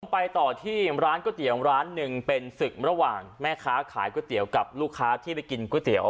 ไปต่อที่ร้านก๋วยเตี๋ยวร้านหนึ่งเป็นศึกระหว่างแม่ค้าขายก๋วยเตี๋ยวกับลูกค้าที่ไปกินก๋วยเตี๋ยว